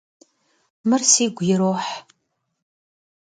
Mır sigu yiroh.